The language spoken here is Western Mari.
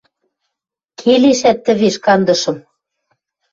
Келешӓт, тӹвеш кандышым...